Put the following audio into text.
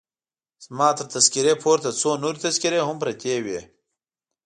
زما تر تذکیرې پورته څو نورې تذکیرې هم پرتې وې.